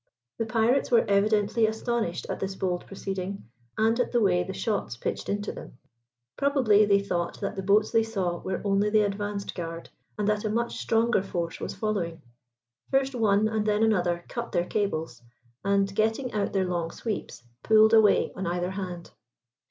The pirates were evidently astonished at this bold proceeding, and at the way the shots pitched into them. Probably they thought that the boats they saw were only the advanced guard, and that a much stronger force was following. First one and then another cut their cables, and, getting out their long sweeps, pulled away on either hand.